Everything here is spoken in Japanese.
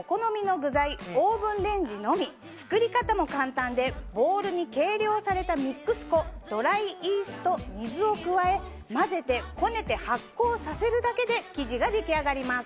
作り方も簡単でボウルに計量されたミックス粉ドライイースト水を加え混ぜてこねて発酵させるだけで生地が出来上がります。